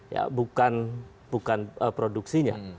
ya bukan produksinya